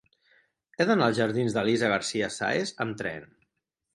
He d'anar als jardins d'Elisa García Sáez amb tren.